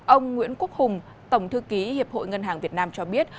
ông nguyễn quốc hùng tổng thư ký hiệp hội ngân hàng việt nam cho biết